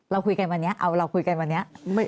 เราคุยกันวันนี้เอาเราคุยกันวันนี้